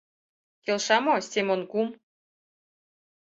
Келша мо, Семон кум?